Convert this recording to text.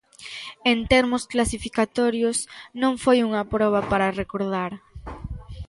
En termos clasificatorios, non foi unha proba para recordar.